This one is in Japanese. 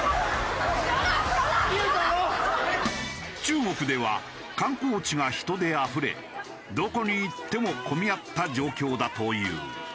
中国では観光地が人であふれどこに行っても混み合った状況だという。